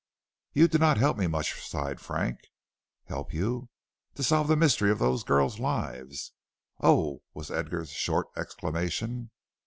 "You do not help me much," sighed Frank. "Help you?" "To solve the mystery of those girls' lives." "Oh!" was Edgar's short exclamation.